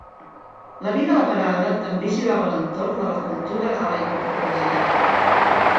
La vida a la parada també girava a l'entorn de la cultura galaicoportuguesa.